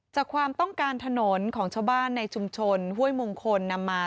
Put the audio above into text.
ความต้องการถนนของชาวบ้านในชุมชนห้วยมงคลนำมา